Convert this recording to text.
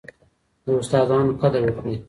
د استادانو قدر وکړئ.